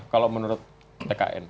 kalau menurut tkn